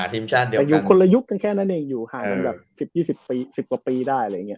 แต่อยู่คนละยุคแค่นั่นเองอยู่ห่างกันแบบ๑๐๒๐ปี๑๐กว่าปีได้อะไรอย่างเงี้ย